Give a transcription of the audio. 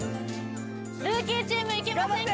ルーキーチームいけませんか？